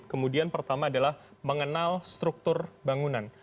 kemudian pertama adalah mengenal struktur bangunan